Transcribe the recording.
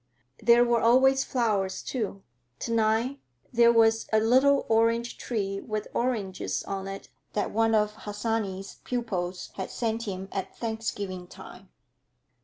There were always flowers, too. To night there was a little orange tree, with oranges on it, that one of Harsanyi's pupils had sent him at Thanksgiving time.